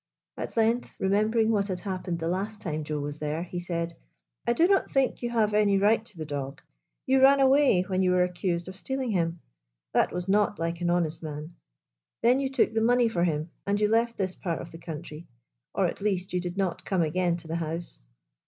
At length, remembering what had happened the last time Joe was there, he said :" I do not think you have any right to the dog. You ran away when you were accused of stealing him. That was not like an honest man. Then you took the money for him, and you left this part of the country, or at least you did not 91 GYPSY, THE TALKING DOG come again to the house.